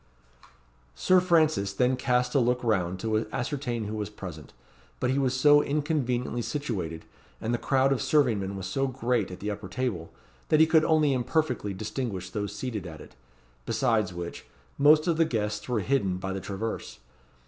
Sir Francis then cast a look round to ascertain who were present; but he was so inconveniently situated, and the crowd of serving men was so great at the upper table, that he could only imperfectly distinguish those seated at it; besides which, most of the guests were hidden by the traverse.